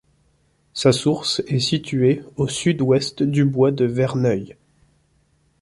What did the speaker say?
Sa source est située au sud-ouest du bois de Verneuil.